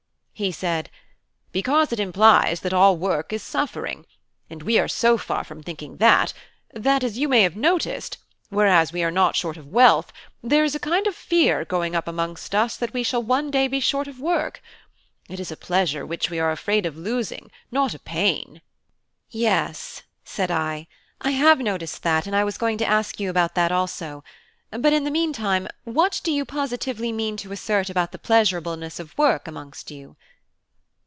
He said: "Because it implies that all work is suffering, and we are so far from thinking that, that, as you may have noticed, whereas we are not short of wealth, there is a kind of fear growing up amongst us that we shall one day be short of work. It is a pleasure which we are afraid of losing, not a pain." "Yes," said I, "I have noticed that, and I was going to ask you about that also. But in the meantime, what do you positively mean to assert about the pleasurableness of work amongst you?"